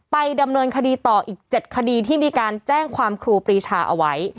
ไปดำเนินคดีต่ออีก๗คดีที่มีการแจ้งความครูปรีชาเอาไว้